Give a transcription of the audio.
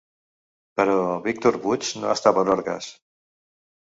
Però Víctor Puig no està per orgues.